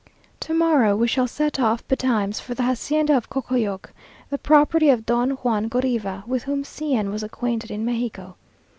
To morrow we shall set off betimes for the hacienda of Cocoyoc, the property of Don Juan Goriva, with whom C n was acquainted in Mexico.